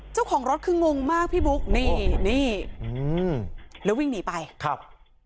เจ้าของรถคืองงมากพี่บุ๊คนี่นี่อืมแล้ววิ่งหนีไปครับ